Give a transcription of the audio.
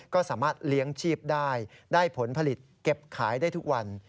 ก็สามารถเลี้ยงชีพได้ได้ผลผลิตเก็บขายได้ทุกวัน